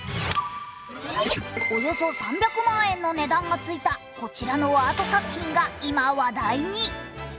およそ３００万円の値段がついたこちらのアート作品が今、話題に。